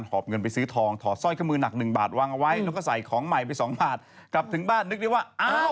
เรื่องของสามีภรรยา